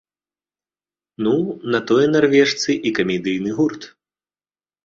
Ну, на тое нарвежцы і камедыйны гурт.